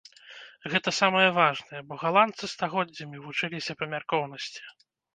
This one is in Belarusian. Гэта самае важнае, бо галандцы стагоддзямі вучыліся памяркоўнасці.